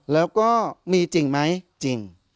แล้วก็มีจริงไหมจริง